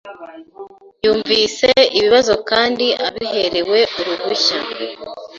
yumvise ibibazo kandi abiherewe uruhushya